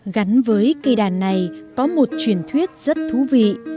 gắn với cây đàn này có một truyền thuyết rất thú vị